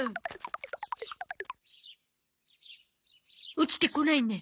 落ちてこないね。